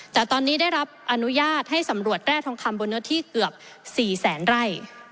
แต่ตอนนี้ได้รับอนุญาตให้สำรวจแร่ทองคำบนเนื้อที่เกือบ๔แสนไร่